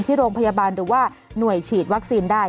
ที่โรงพยาบาลหรือว่าหน่วยฉีดวัคซีนได้